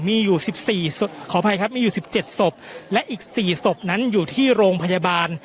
มีอยู่สิบสี่ขออภัยครับมีอยู่๑๗ศพและอีก๔ศพนั้นอยู่ที่โรงพยาบาล